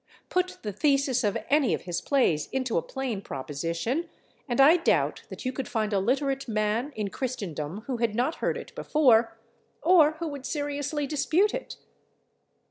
Put the thesis of any of his plays into a plain proposition, and I doubt that you could find a literate man in Christendom who had not heard it before, or who would seriously dispute it.